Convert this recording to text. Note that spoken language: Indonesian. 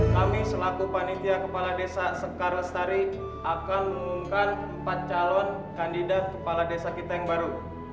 kami selaku panitia kepala desa sekar lestari akan mengumumkan empat calon kandidat kepala desa kita yang baru